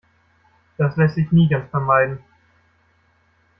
Das lässt sich nie ganz vermeiden.